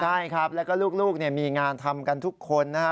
ใช่ครับแล้วก็ลูกมีงานทำกันทุกคนนะฮะ